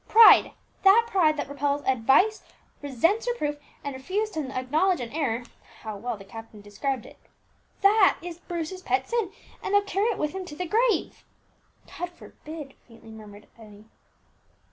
Pride that pride that repels advice, resents reproof, and refuses to acknowledge an error (how well the captain described it!) that is Bruce's pet sin, and he'll carry it with him to his grave." "God forbid!" faintly murmured Emmie.